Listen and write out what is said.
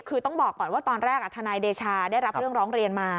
คือต้องบอกก่อนว่าตอนแรกทนายเดชาได้รับเรื่องร้องเรียนมา